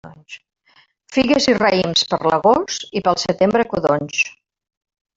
Figues i raïms per l'agost, i pel setembre codonys.